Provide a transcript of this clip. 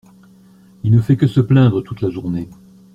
Il ne fait que se plaindre toute la journée.